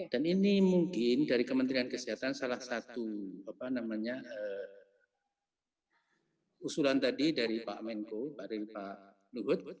dan ini mungkin dari kementerian kesehatan salah satu usulan tadi dari pak menko dari pak nugut